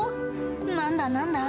何だ、何だ？